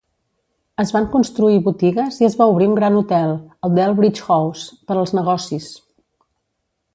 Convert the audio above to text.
Es van construir botigues i es va obrir un gran hotel, el Delbridge House, per als negocis.